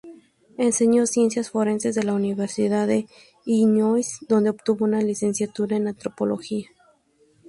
Enseñó ciencias forenses de la Universidad de Illinois, donde obtuvo una licenciatura en antropología.